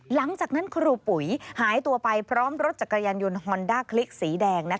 หลังจากนั้นครูปุ๋ยหายตัวไปพร้อมรถจักรยานยนต์ฮอนด้าคลิกสีแดง